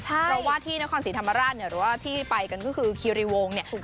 เพราะว่าที่นครศรีธรรมราชเนี่ยหรือว่าที่ไปกันก็คือคีรีวงเนี่ย